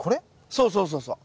そうそうそうそう。